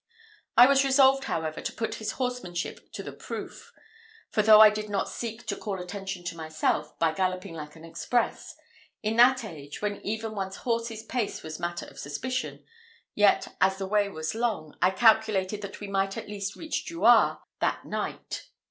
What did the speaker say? I was resolved, however, to put his horsemanship to the proof; for though I did not seek to call attention to myself, by galloping like an express, in that age when even one's horse's pace was matter of suspicion, yet, as the way was long, I calculated that we might at least reach Jouarre that night.